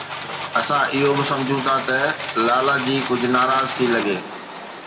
اسان اهو به سمجهون ٿا ته لالاجي ڪجهه ناراض ٿي لڳي